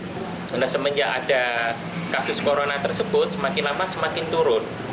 karena semenjak ada kasus corona tersebut semakin lama semakin turun